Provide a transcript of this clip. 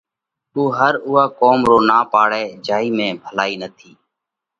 اُو ھر اُوئا ڪوم رو نا پاڙئھ جئي ڀلائِي ۾ نٿِي۔